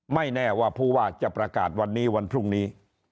แน่ว่าผู้ว่าจะประกาศวันนี้วันพรุ่งนี้